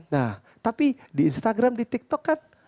nah tapi di instagram di tiktok kan